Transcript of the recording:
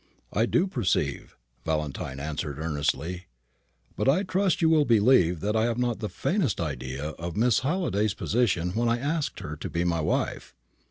"I do perceive," Valentine answered earnestly; "but I trust you will believe that I had not the faintest idea of Miss Halliday's position when I asked her to be my wife.